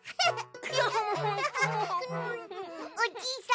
おじいさん？